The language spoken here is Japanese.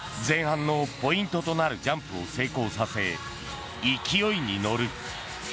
前半のポイントとなるジャンプを成功させ勢いに乗る。